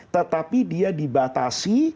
tetapi dia dibatasi